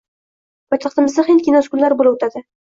Poytaxtimizda “Hind kinosi kunlari" bo‘lib o‘tadi